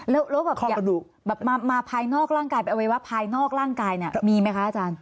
แล้วแบบมาภายนอกร่างกายเป็นอะไรว่าภายนอกร่างกายมีไหมครับอาจารย์